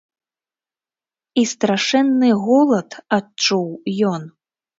І страшэнны голад адчуў ён.